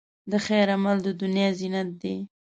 د خیر عمل، د دنیا زینت دی.